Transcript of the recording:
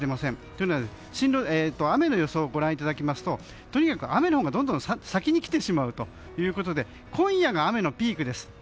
というのは雨の予想をご覧いただきますととにかく雨のほうがどんどん先に来てしまうということで今夜が雨のピークです。